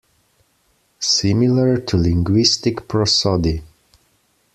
Similar to linguistic prosody.